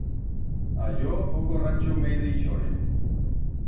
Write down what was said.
A yo poco rancho me deixoren.